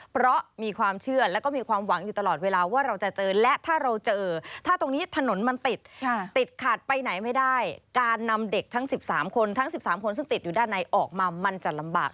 เพราะมีความเชื่อแล้วก็มีความหวังอยู่ตลอดเวลาว่าเราจะเจอและถ้าเราเจอถ้าตรงนี้ถนนมันติดติดขาดไปไหนไม่ได้การนำเด็กทั้ง๑๓คนทั้ง๑๓คนซึ่งติดอยู่ด้านในออกมามันจะลำบาก